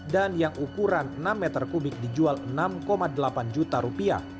dan yang ukuran enam meter kubik dijual enam delapan juta rupiah